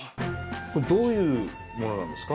これどういうものなんですか？